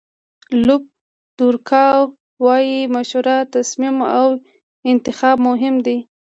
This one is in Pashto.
لوپ دورکا وایي مشوره، تصمیم او انتخاب مهم دي.